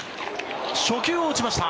初球を打ちました。